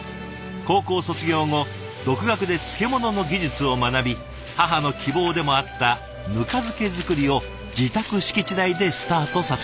高校卒業後独学で漬物の技術を学び母の希望でもあったぬか漬け作りを自宅敷地内でスタートさせました。